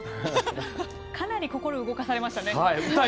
かなり心動かされましたね。